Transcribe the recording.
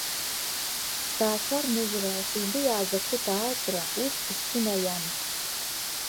Сҭаацәа рныжьра, сызлиааз ақыҭа алҵра ус исзымариамызт.